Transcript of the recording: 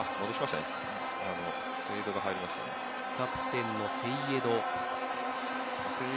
キャプテンのセイエド。